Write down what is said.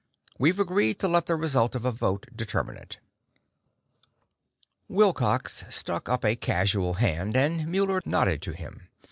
We've agreed to let the result of a vote determine it." Wilcox stuck up a casual hand, and Muller nodded to him.